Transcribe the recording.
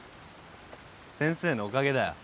先生のおかげだよ。